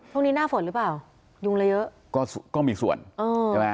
หน้าฝนหรือเปล่ายุงละเยอะก็ก็มีส่วนอ๋อใช่ไหม